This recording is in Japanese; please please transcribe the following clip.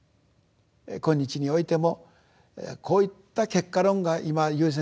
今日においてもこういった結果論が今優先します。